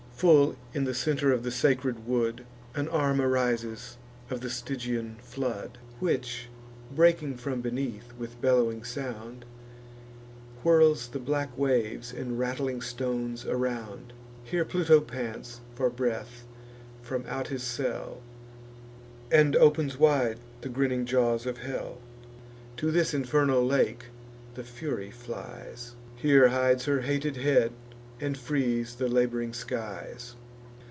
Full in the centre of the sacred wood An arm arises of the Stygian flood, Which, breaking from beneath with bellowing sound, Whirls the black waves and rattling stones around. Here Pluto pants for breath from out his cell, And opens wide the grinning jaws of hell. To this infernal lake the Fury flies; Here hides her hated head, and frees the lab'ring skies.